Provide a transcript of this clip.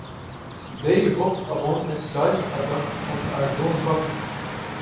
They hopped upon it like a duck on a June bug.